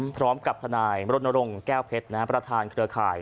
พร้อมกับทนายรณรงค์แก้วเพชรประธานเครือข่าย